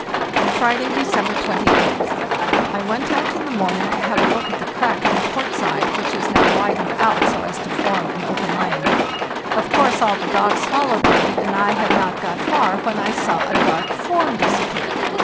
"Friday, December 28th. I went out in the morning to have a look at the crack on the port side which has now widened out so as to form an open lane. Of 38 FARTHEST NORTH course, all the dogs followed me, and I had not got far when I saw a dark form disappear.